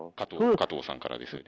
加藤さんからですよね。